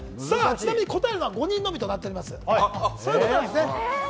ちなみに答えは５人のみとなっております。